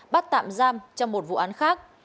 bắt tạm giam trong một vụ án khác